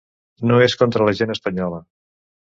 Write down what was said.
No és contra la gent espanyola.